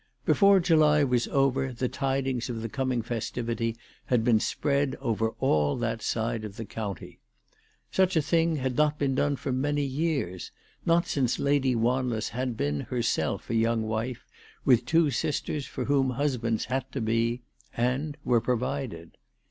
Before July was over the tidings of the coming festivity had been spread over all that side of the county. Such a thing had not been done for many years, not since Lady Wanless had been herself a young wife, with two sisters for whom husbands had to be, and were provided.